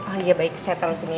oh iya baik saya taruh sini ya